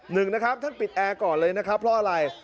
หนึ่งนะครับท่านปิดแอร์ก่อนเลยนะครับเพราะอะไร